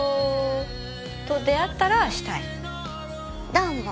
どうも。